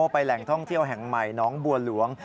ไปแหล่งท่องเที่ยวแห่งใหม่น้องบัวหลวง